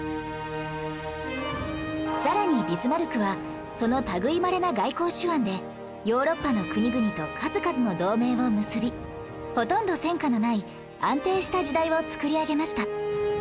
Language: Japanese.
さらにビスマルクはその類いまれな外交手腕でヨーロッパの国々と数々の同盟を結びほとんど戦火のない安定した時代を作り上げました